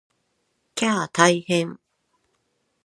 きゃー大変！